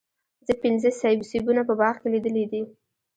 زه پنځه سیبونه په باغ کې لیدلي دي.